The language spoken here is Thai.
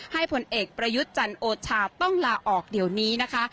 ผลเอกประยุทธ์จันโอชาต้องลาออกเดี๋ยวนี้นะคะ